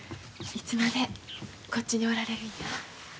いつまでこっちにおられるんや？